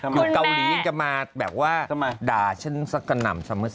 อยู่เกาหลีก็มาแบบว่าด่าฉันสักกระหน่ำซะเมื่อเสร็จ